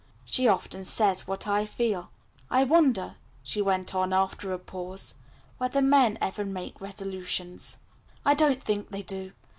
She often says what I feel. "I wonder," she went on after a pause, "whether men ever make resolutions?" "I don't think they do.